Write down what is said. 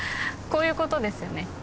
こういうことですよね